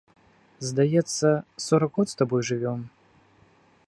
Здаецца, сорак год з табою жывём?